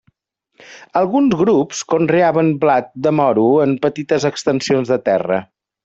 Alguns grups conreaven blat de moro en petites extensions de terra.